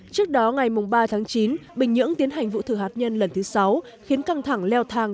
trước đó ngày ba tháng chín bình nhưỡng tiến hành vụ thử hạt nhân lần thứ sáu khiến căng thẳng leo thang